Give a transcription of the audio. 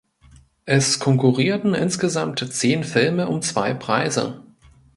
Es konkurrierten insgesamt zehn Filme um zwei Preise.